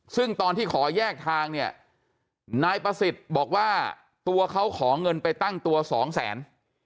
ซึ่งตอนที่ขอแยกทางเนี่ยนายประสิทธิ์บอกว่าตัวเขาขอเงินไปตั้งตัวสองแสน